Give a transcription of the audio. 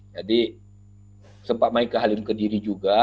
jadi sempat main ke halim kediri juga